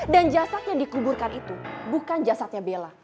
dan jasad yang dikuburkan itu bukan jasadnya bella